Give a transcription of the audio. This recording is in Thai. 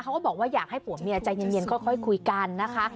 ก็บอกว่าอยากให้ผัวเมียใจเย็นค่อยคุยกันนะคะ